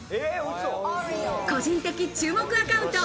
個人的注目アカウント。